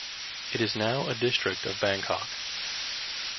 It is now a district of Bangkok.